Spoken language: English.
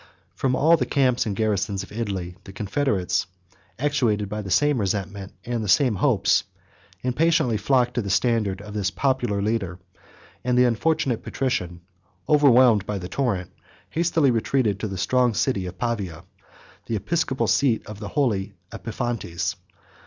From all the camps and garrisons of Italy, the confederates, actuated by the same resentment and the same hopes, impatiently flocked to the standard of this popular leader; and the unfortunate patrician, overwhelmed by the torrent, hastily retreated to the strong city of Pavia, the episcopal seat of the holy Epiphanites.